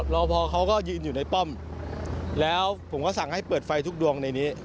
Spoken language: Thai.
รอพอเขาก็ยืนอยู่ในป้อมแล้วผมก็สั่งให้เปิดไฟทุกดวงในนี้